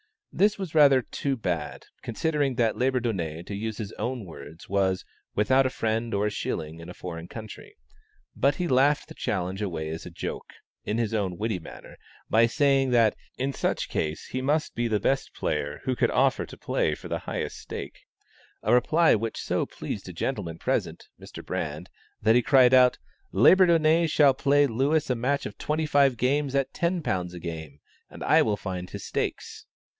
This was rather too bad, considering that Labourdonnais, to use his own words, was "without a friend or a shilling in a foreign country;" but he laughed the challenge away as a joke in his own witty manner, by saying that "in such case he must be the best player who could offer to play for the highest stake," a reply which so pleased a gentleman present, Mr. Brand, that he cried out, "Labourdonnais shall play Lewis a match of 25 games at £10 a game, and I will find his stakes."